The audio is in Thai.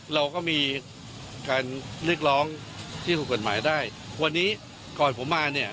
เราก็มีการเรียกร้องที่ถูกกฎหมายได้วันนี้ก่อนผมมาเนี่ย